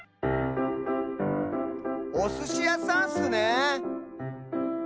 おすしやさんスね！